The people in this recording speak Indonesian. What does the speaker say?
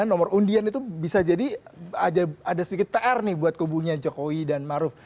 nomor undian itu bisa jadi ada sedikit pr nih buat kubunya jokowi dan maruf